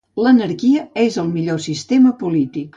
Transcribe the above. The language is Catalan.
L'anarquia és el millor sistema polític.